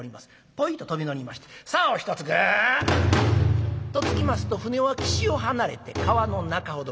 ポイッと飛び乗りましてさおをひとつグッとつきますと舟は岸を離れて川の中ほどへ。